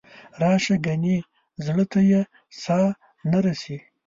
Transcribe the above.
راشه ګنې زړه ته یې ساه نه رسي.